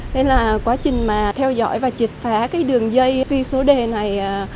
nên là quá trình mà theo dõi và triệt phá cái đường dây ghi số đề này